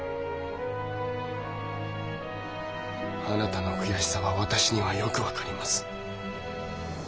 あなたの悔しさは私にはよく分かります。